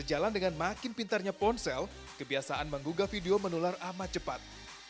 sejalan dengan makin pintarnya ponsel kebiasaan menggugah video menular amat cepat